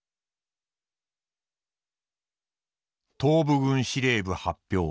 「東部軍司令部発表